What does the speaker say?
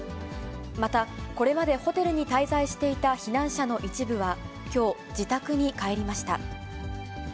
また、これまでホテルに滞在していた避難者の一部は、きょう、自宅に帰りました。